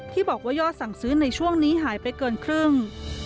ที่บอกว่ายอดสั่งซื้อในช่วงนี้หายไปเกินครึ่ง